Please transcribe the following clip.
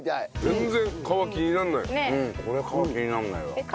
全然皮気にならないです。